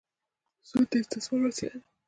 سود د استثمار وسیله ده.